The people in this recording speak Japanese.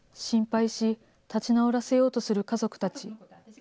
心配し、立ち直らせようとする家族たち。